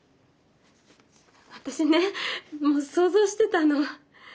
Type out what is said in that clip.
私ねもう想像してたの。